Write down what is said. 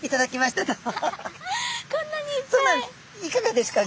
いかがですか？